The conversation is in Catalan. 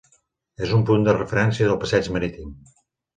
És un punt de referència del passeig marítim.